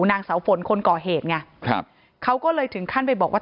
นางเสาฝนคนก่อเหตุไงครับเขาก็เลยถึงขั้นไปบอกว่า